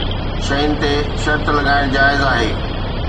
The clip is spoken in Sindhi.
شين تي شرط لڳائڻ جائز آهي.